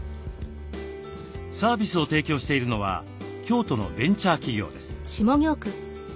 サービスを提供しているのは京都のベンチャー企業です。